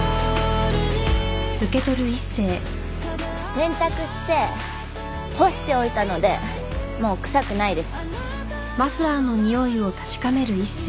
洗濯して干しておいたのでもう臭くないです。